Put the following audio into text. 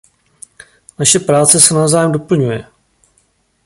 Naše práce se navzájem doplňuje.